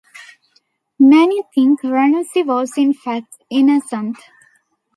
Many think Ranucci was in fact innocent.